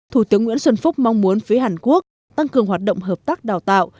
thủ tướng nguyễn xuân phúc mong muốn phía hàn quốc tăng cường hoạt động hợp tác đào tạo